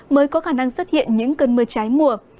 mới có khả năng xuất hiện những cơn mưa trái mùa